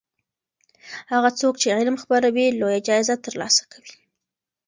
هغه څوک چې علم خپروي لویه جایزه ترلاسه کوي.